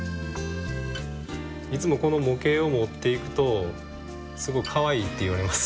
いつもこの模型を持って行くとすごいかわいいって言われます。